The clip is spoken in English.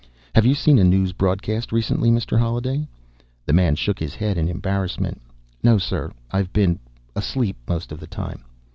"Have you seen a news broadcast recently, Mr. Holliday?" The man shook his head in embarrassment. "No, sir. I've been ... asleep most of the time."